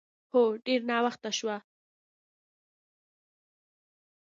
هو، ډېر ناوخته شوه.